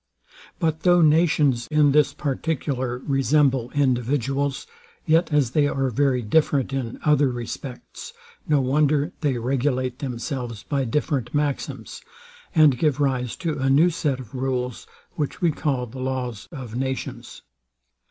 But though nations in this particular resemble individuals, yet as they are very different in other respects, no wonder they regulate themselves by different maxims, and give rise to a new set of rules, which we call the laws of nations.